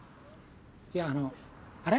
いやあのあれ？